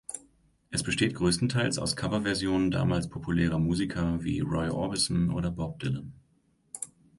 Es besteht größtenteils aus Coverversionen damals populärer Musiker wie Roy Orbison oder Bob Dylan.